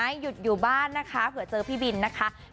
หยุดอยู่บ้านนะคะเผื่อเจอพี่บินนะคะ